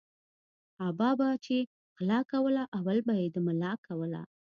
ابا به چی غلا کوله اول به یی د ملا کوله